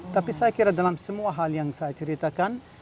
tapi saya kira dalam semua hal yang saya ceritakan